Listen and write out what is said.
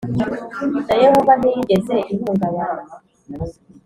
na Yehova ntiyigeze ihungabana